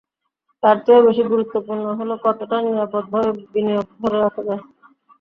তার চেয়েও বেশি গুরুত্বপূর্ণ হলো কতটা নিরাপদভাবে বিনিয়োগ ধরে রাখা যায়।